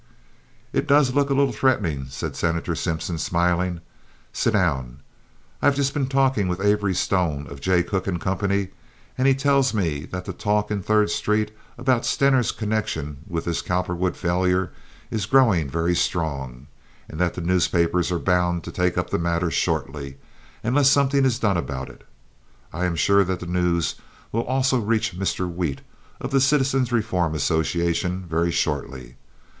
"It does look a little threatening," said Senator Simpson, smiling. "Sit down. I have just been talking with Avery Stone, of Jay Cooke & Company, and he tells me that the talk in Third Street about Stener's connection with this Cowperwood failure is growing very strong, and that the newspapers are bound to take up the matter shortly, unless something is done about it. I am sure that the news will also reach Mr. Wheat, of the Citizens' Reform Association, very shortly.